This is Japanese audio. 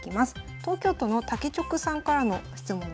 東京都のたけちょくさんからの質問です。